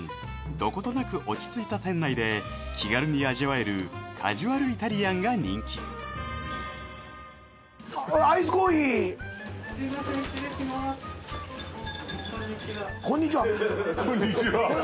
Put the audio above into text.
どことなく落ち着いた店内で気軽に味わえるカジュアルイタリアンが人気俺こんにちはこんにちは